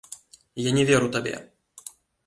Я не веру табе!